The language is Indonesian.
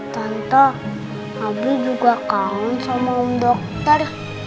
tante abi juga kangen sama om dokter